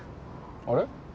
あれ？